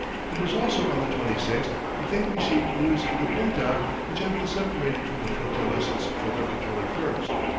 It was also on the 26th that they received news of the Pinta, which had been separated from the flotilla since November 21st.